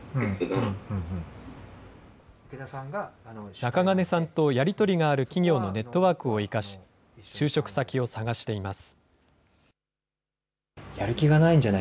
中金さんとやり取りがある企業のネットワークを生かし、就職先を探しています。